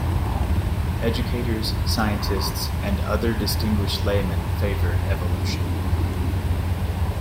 Educators, scientists, and other distinguished laymen favored evolution.